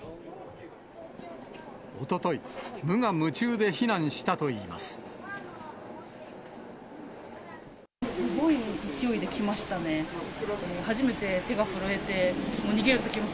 おととい、無我夢中で避難したといいます。